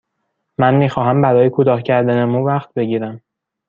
من می خواهم برای کوتاه کردن مو وقت بگیرم.